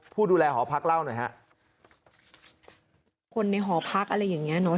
ผู้ดูแลหอพักเล่าหน่อยฮะคนในหอพักอะไรอย่างเงี้เนอะ